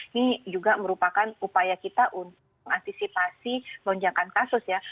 ini juga merupakan upaya kita untuk mengantisipasi lonjakan kasus ya